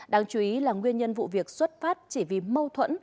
đáng chú ý là nguyên nhân vụ việc xuất phát chỉ vì mâu thuẫn